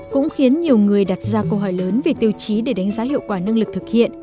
cũng khiến nhiều người đặt ra câu hỏi lớn về tiêu chí để đánh giá hiệu quả năng lực thực hiện